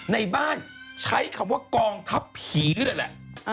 ในบ้านใช้คำว่ากองทัพผีเลยแหละ